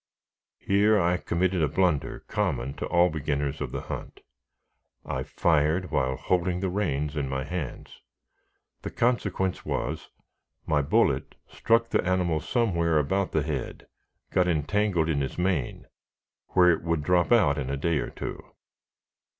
Here I committed a blunder common to all beginners of the hunt. I fired while holding the reins in my hands. The consequence was, my bullet struck the animal somewhere about the head, got entangled in his mane, where it would drop out in a day or two.